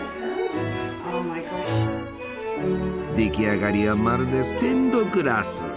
出来上がりはまるでステンドグラス！